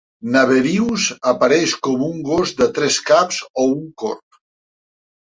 Naberius apareix com un gos de tres caps o un corb.